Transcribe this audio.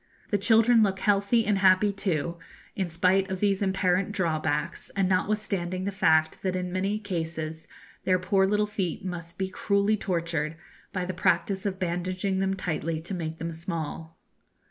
The children look healthy and happy too, in spite of these apparent drawbacks, and notwithstanding the fact that in many cases their poor little feet must be cruelly tortured by the practice of bandaging them tightly to make them small.